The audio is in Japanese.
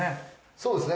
そうですね。